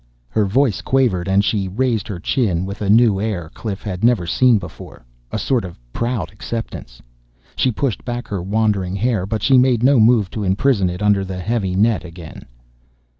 Her voice quavered and she raised her chin with a new air Cliff had never seen before a sort of proud acceptance. She pushed back her wandering hair, but she made no move to imprison it under the heavy net again.